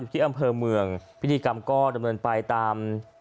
ที่อำเภอเมืองพิธีกรรมก็ดำเนินไปตาม